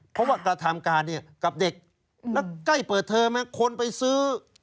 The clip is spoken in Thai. เพราะว่ากระทำการเนี่ยกับเด็กแล้วใกล้เปิดเทอมคนไปซื้อ